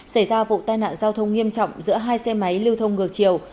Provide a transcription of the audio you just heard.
xảy ra vụ tai nạn giao thông nghiêm trọng giữa hai xe máy lưu thông ngược chiều